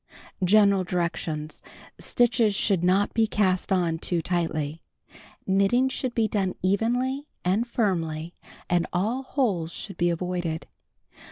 General Directions Stitches should not be cast on too tightly.^ Knitting should be done evenly and firmly and all holes should be avoided.